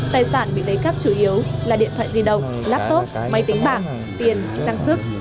tài sản bị lấy cắp chủ yếu là điện thoại di động laptop máy tính bảng tiền trang sức